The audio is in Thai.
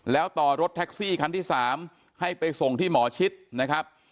แล้วต่อรถแท็กซี่คันที่๓ให้ไปส่งที่หมอชิดนะครับ